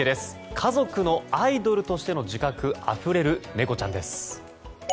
家族のアイドルとしての自覚あふれる猫ちゃんです。